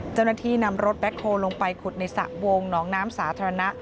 เจ้าหน้าที่นำรถแบ็คโฮลลงไปขุดในสระวงหนองน้ำสาธารณะ